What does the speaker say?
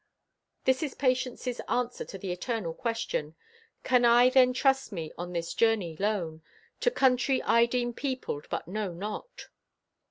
This is Patience's answer to the eternal question: Can I then trust me on this journey lone To country I deem peopled, but know not?